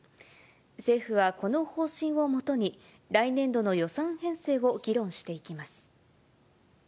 政府はこの方針を基に、来年度の予算編成を議論していきます。